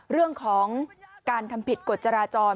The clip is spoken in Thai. เรื่องของการทำผิดกฎจราจร